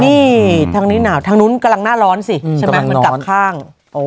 นี่ทางนี้หนาวทางนู้นกำลังหน้าร้อนสิใช่ไหมมันกลับข้าง